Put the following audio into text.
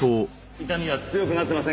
痛みは強くなってませんか？